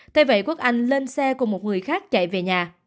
thế vậy quốc anh lên xe cùng một người khác chạy về nhà